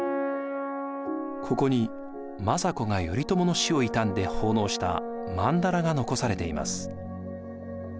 ここに政子が頼朝の死を悼んで奉納したまんだらが残されています。